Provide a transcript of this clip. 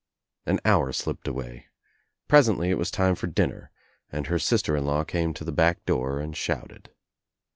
An hour slipped away. Presently It was time for dinner and her sister in law came to the back door and shouted.